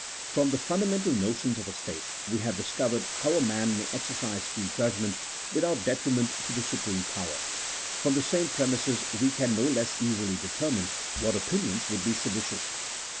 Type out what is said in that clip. From the fundamental notions of a state, we have dis covered how a man may exercise free judgment without detriment to the supreme power : from the same premises we can no less easily determine what opinions would be seditious.